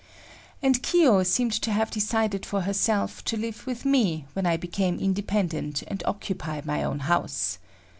And Kiyo seemed to have decided for herself to live with me when I became independent and occupy my own house.